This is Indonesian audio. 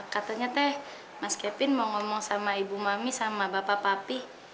katanya teh mas kevin mau ngomong sama ibu mami sama bapak papi